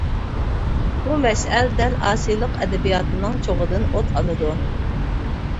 بۇ مەشئەل دەل ئاسىيلىق ئەدەبىياتىنىڭ چوغىدىن ئوت ئالىدۇ.